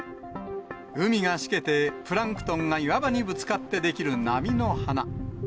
海がしけてプランクトンが岩場にぶつかって出来る波の花。